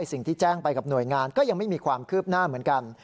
สิ่งที่แจ้งไปกับหน่วยงานก็ยังไม่มีความคืบหน้าเหมือนกัน